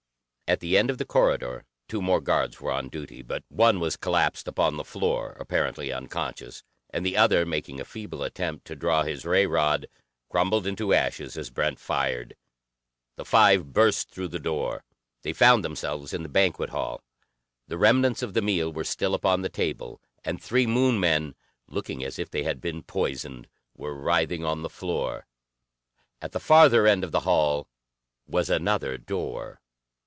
At the end of the corridor two more guards were on duty, but one was collapsed upon the floor, apparently unconscious, and the other, making a feeble attempt to draw his ray rod, crumbled into ashes as Brent fired. The five burst through the door. They found themselves in the banquet hall. The remnants of the meal were still upon the table, and three Moon men, looking as if they had been poisoned, were writhing on the floor. At the farther end of the hall was another door.